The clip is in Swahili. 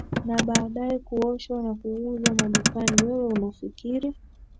na baadaye kuoshwa na kuuzwa madukani wewe unafikiri